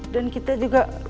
dan kita juga